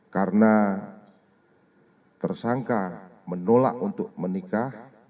karena tersangka menolak untuk menikah